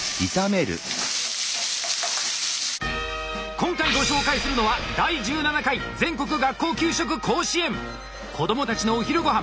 今回ご紹介するのは子どもたちのお昼ごはん。